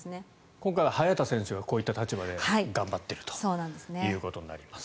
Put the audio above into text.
今回は早田選手がこういった立場で頑張っているということになります。